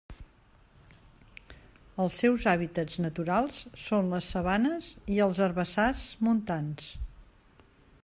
Els seus hàbitats naturals són les sabanes i els herbassars montans.